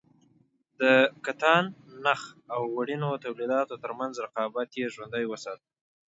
د کتان- نخ او وړینو تولیداتو ترمنځ رقابت یې ژوندی وساته.